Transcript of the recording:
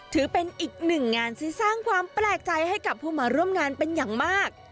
ถือเป็นอีกหนึ่งงานที่สร้างความแปลกใจให้กับผู้มาร่วมงานเป็นอย่างมาก